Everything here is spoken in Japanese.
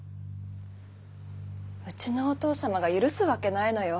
うちのお父様が許すわけないのよ。